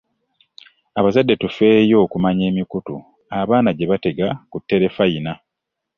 Abazadde tufeeyo okumanya emikutu abaana gye batega ku terefayina.